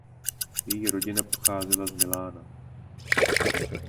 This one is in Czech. Její rodina pocházela z Milána.